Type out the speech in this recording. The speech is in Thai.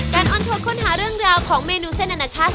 ออนทัวร์ค้นหาเรื่องราวของเมนูเส้นอนาชาติ